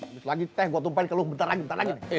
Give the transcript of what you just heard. terus lagi teh gue tumpah ke lo bentar lagi bentar lagi nih